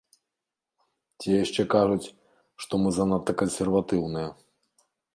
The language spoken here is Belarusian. Ці яшчэ кажуць, што мы занадта кансерватыўныя.